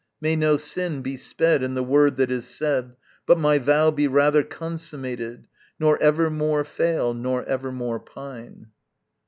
May no sin be sped in the word that is said, But my vow be rather Consummated, Nor evermore fail, nor evermore pine.